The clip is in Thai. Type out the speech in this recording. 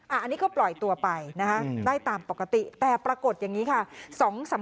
อันนี้ก็ปล่อยตัวไปนะคะได้ตามปกติแต่ปรากฏอย่างนี้ค่ะ